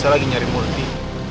saya lagi nyari murti